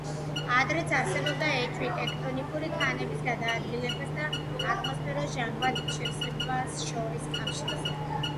ადრეც არსებობდა ეჭვი ტექტონიკური ქანების გადაადგილებას და ატმოსფეროს ჟანგბადით შევსებას შორის კავშირზე.